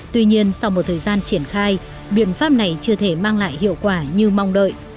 tuy nhiên sau một thời gian triển khai biện pháp này chưa thể mang lại hiệu quả như mong đợi